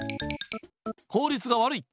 効率が悪い。